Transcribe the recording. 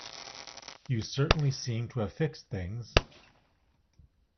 You certainly seem to have fixed things.